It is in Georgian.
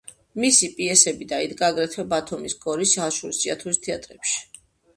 მისი პიესები დაიდგა აგრეთვე ბათუმის, გორის, ხაშურის, ჭიათურის თეატრებში.